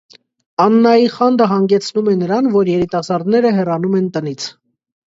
Աննայի խանդը հանգեցնում է նրան, որ երիտասարդները հեռանում են տնից։